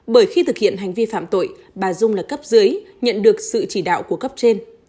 bởi khi thực hiện hành vi phạm tội bà dung là cấp dưới nhận được sự chỉ đạo của cấp trên